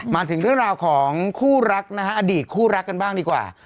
มาถึงเรื่องราวของคู่รักนะฮะอดีตคู่รักกันบ้างดีกว่า